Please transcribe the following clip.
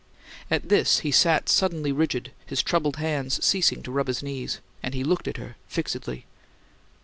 At this he sat suddenly rigid, his troubled hands ceasing to rub his knees; and he looked at her fixedly.